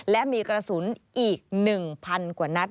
และมีกระสุนอีก๑๐๐กว่านัด